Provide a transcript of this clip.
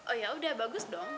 oh yaudah bagus dong